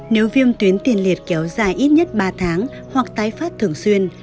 nếu viêm tuyến tiền liệt kéo dài ít nhất ba tháng hoặc tái phát thường xuyên